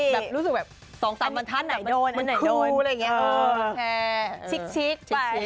แบบรู้สึกแบบ๒๓มันทันแต่มันคูลอะไรอย่างเงี้ย